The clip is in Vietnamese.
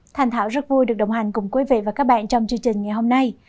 thành thảo rất vui được đồng hành cùng quý vị và các bạn trong chương trình ngày hôm nay